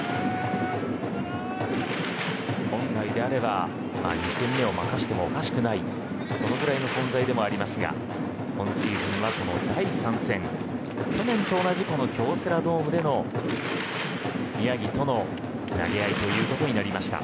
本来であれば２戦目を任せてもおかしくないそのぐらいの存在でもありますが今シーズンは、この第３戦去年と同じ京セラドームでの宮城との投げ合いということになりました。